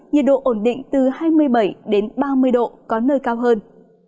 nhiệt độ ổn định từ hai mươi bảy ba mươi độ có nơi cao hơn